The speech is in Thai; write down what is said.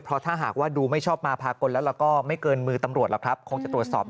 เพราะถ้าหากว่าดูไม่ชอบมาพากลแล้วก็ไม่เกินมือตำรวจหรอกครับคงจะตรวจสอบ